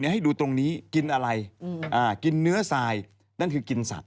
ให้ดูตรงนี้กินอะไรกินเนื้อทรายนั่นคือกินสัตว